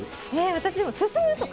私、でも進むとか。